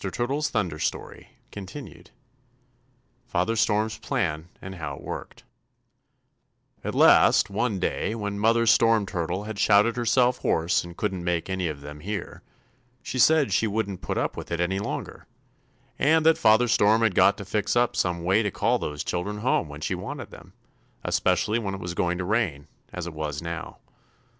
TURTLE'S THUNDER STORY CONTINUED FATHER STORM'S PLAN AND HOW IT WORKED "At last, one day, when Mother Storm Turtle had shouted herself hoarse and couldn't make any of them hear, she said she wouldn't put up with it any longer, and that Father Storm had got to fix up some way to call those children home when she wanted them, especially when it was going to rain, as it was now.